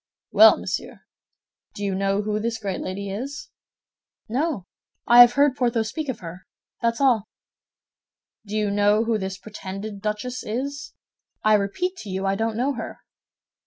"Well, monsieur, do you know who this great lady is?" "No; I have heard Porthos speak of her, that's all." "Do you know who this pretended duchess is? "I repeat to you, I don't know her."